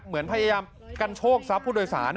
เหมือนพยายามกันโชคทรัพย์ผู้โดยสาร